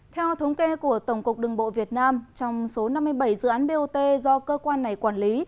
theo thống kê của tổng cục đường bộ việt nam trong số năm mươi bảy dự án bot do cơ quan này quản lý